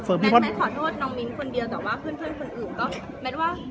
ไม่เตรียมเลยค่ะยังไงตัวอีกค่ะเขาพูดแบบนี้ค่ะ